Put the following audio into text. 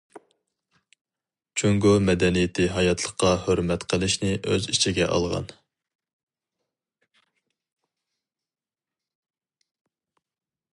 جۇڭگو مەدەنىيىتى ھاياتلىققا ھۆرمەت قىلىشنى ئۆز ئىچىگە ئالغان.